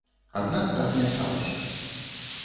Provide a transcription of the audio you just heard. Аднак так не сталася.